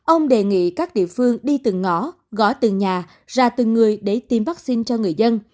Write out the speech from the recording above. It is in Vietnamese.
ông đề nghị các địa phương đi từng ngõ gõ từng nhà ra từng người để tiêm vaccine cho người dân